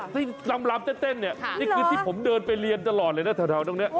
ที่ลำเต้นเนี่ยนี่คือที่ผมเดินไปเรียนตลอดเลยนะแถวตรงนี้